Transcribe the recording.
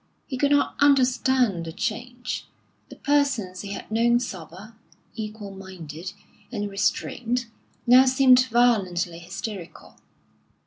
He could not understand the change. The persons he had known sober, equal minded, and restrained, now seemed violently hysterical.